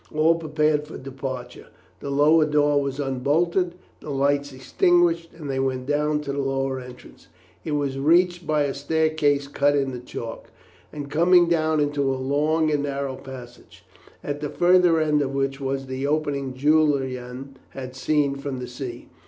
All prepared for departure; the lower door was unbolted, the lights extinguished, and they went down to the lower entrance. It was reached by a staircase cut in the chalk, and coming down into a long and narrow passage, at the further end of which was the opening Julian had seen from the sea.